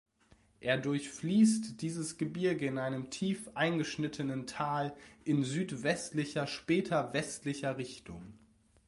Er durchfließt dieses Gebirge in einem tief eingeschnittenen Tal in südwestlicher, später westlicher Richtung.